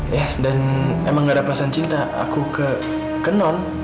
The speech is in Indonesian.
ya dan emang gak ada pesan cinta aku ke non